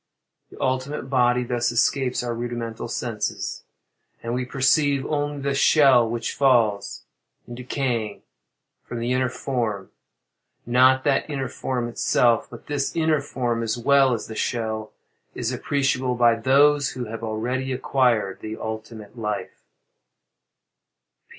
The ultimate body thus escapes our rudimental senses, and we perceive only the shell which falls, in decaying, from the inner form; not that inner form itself; but this inner form, as well as the shell, is appreciable by those who have already acquired the ultimate life.